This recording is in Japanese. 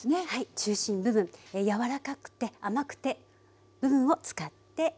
中心部分柔らかくて甘くて部分を使っていきます。